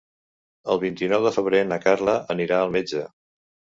El vint-i-nou de febrer na Carla anirà al metge.